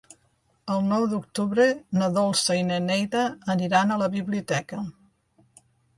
El nou d'octubre na Dolça i na Neida aniran a la biblioteca.